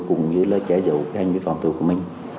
cùng với lỡ cháy giấu cái hành vi phạm tội của mình